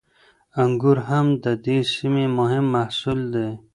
انګور هم د دې سیمې مهم محصول دی.